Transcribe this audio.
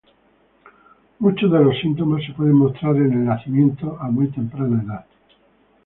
Muchos de los síntomas se pueden mostrar en el nacimiento a muy temprana edad.